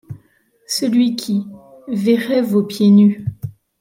Celui qui. verrait vos pieds nus